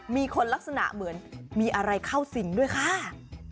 มีคนลักษณะเหมือนมีอะไรเข้าสิ่งด้วยค่ะ